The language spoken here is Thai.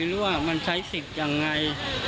หรือว่ามันใช้สิทธิ์ยังไง